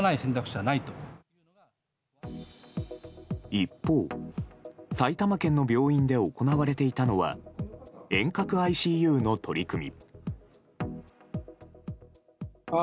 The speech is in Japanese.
一方、埼玉県の病院で行われていたのは遠隔ＩＣＵの取り組み。